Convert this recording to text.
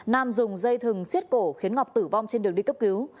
nam dùng dây thừng xiết cổ khiến ngọc tử vong trên đường đi cấp cứu